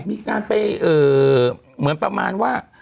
มีการไปเหมือนประมาณว่า